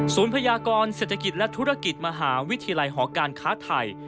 พยากรเศรษฐกิจและธุรกิจมหาวิทยาลัยหอการค้าไทย